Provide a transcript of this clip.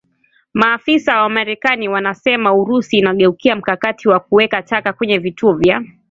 Maafisa wa marekani wanasema Urusi inageukia mkakati wa kuweka taka kwenye vituo vya